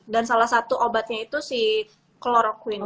dan salah satu obatnya itu si chloroquine